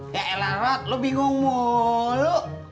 ya elah rod lo bingung mulu